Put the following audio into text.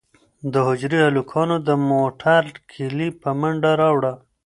د حجرې هلکانو د موټر کیلي په منډه راوړه.